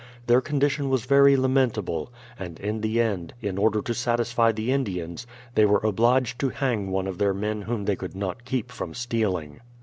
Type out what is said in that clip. Their condition was very lamentable, and in the end, in order to satisfy the Indians, they were obliged to hang one of their men whom they could not keep from stealing.